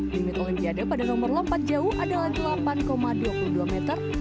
limit olimpiade pada nomor lompat jauh adalah delapan dua puluh dua meter